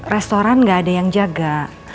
restoran nggak ada yang jaga